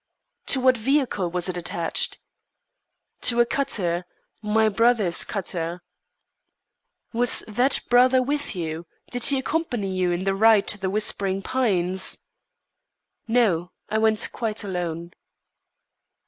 "To what vehicle was it attached?" "To a cutter my brother's cutter." "Was that brother with you? Did he accompany you in your ride to The Whispering Pines?" "No, I went quite alone."